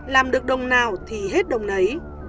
làm được đồng nào thì hết đồng này